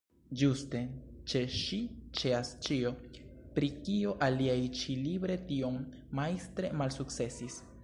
Ĝuste ĉe ŝi ĉeas ĉio, pri kio aliaj ĉi-libre tiom majstre malsukcesis.